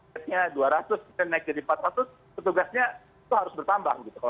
kalau bednya dua ratus dan naik jadi empat ratus petugasnya itu harus bertambah